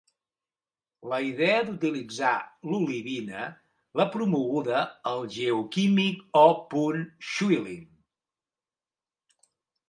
La idea d'utilitzar l'olivina l'ha promoguda el geoquímic O. Schuiling.